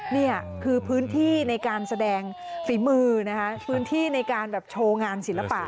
นี่คือพื้นที่ในการแสดงฝีมือนะคะพื้นที่ในการแบบโชว์งานศิลปะ